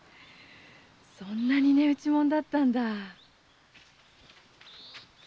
そんなに値打ちもんだったんだ！